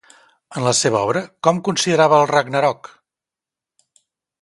En la seva obra, com considerava el Ragnarok?